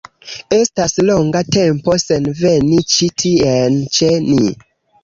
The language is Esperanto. Estas longa tempo sen veni ĉi tien ĉe ni